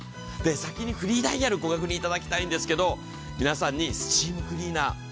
先にフリーダイヤル、ご確認いただきたいんですけど皆さんにスチームクリーナー。